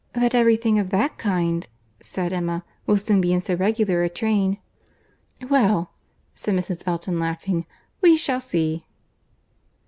"But every thing of that kind," said Emma, "will soon be in so regular a train—" "Well," said Mrs. Elton, laughing, "we shall see."